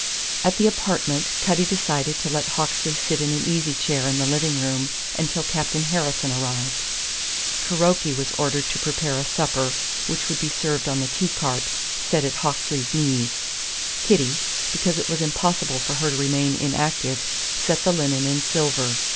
At the apartment Cutty decided to let Hawksley sit in an easy chair in the living room until Captain Harrison arrived. Kuroki was ordered to prepare a supper, which would be served on the tea cart, set at Hawksley's knees. Kitty because it was impossible for her to remain inactive set the linen and silver.